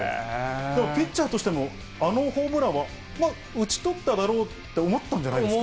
ピッチャーとしても、あのホームランは、打ち取っただろうって思ったんじゃないですか？